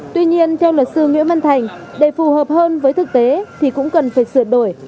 tuy nhiên theo luật sư nguyễn văn thành để phù hợp hơn với thực tế thì cũng cần phải sửa đổi